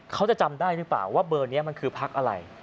เขาจะจำได้หรือเปล่าว่าเบอร์นี้มันคือพักอะไร